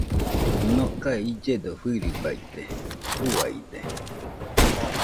Nokae illedo fɨirɨbaite, uiade